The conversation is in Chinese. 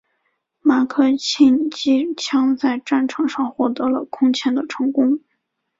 马克沁机枪在战场上获得了空前的成功。